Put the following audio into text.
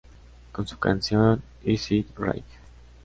Con su canción "Is it right?